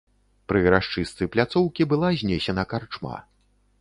Пры расчыстцы пляцоўкі была знесена карчма.